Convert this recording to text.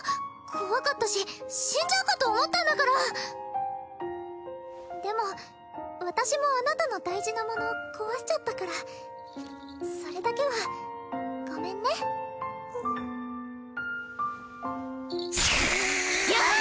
怖かったし死んじゃうかと思ったんだからでも私もあなたの大事なもの壊しちゃったからそれだけはごめんねシャー！